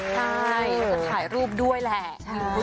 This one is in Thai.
ใช่จะถ่ายรูปด้วยแหละ